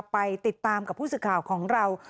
ไปติดตามกับผู้สื่อข่าวของเรา